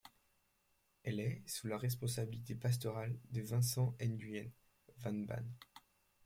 Elle est sous la responsabilité pastorale de Vincent Nguyễn Văn Bản.